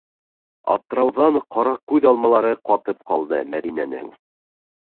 - Аптырауҙан ҡара күҙ алмалары ҡатып ҡалды Мәҙинәнең...